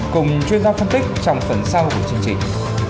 cùng chuyên gia phân tích trong phần sau của chương trình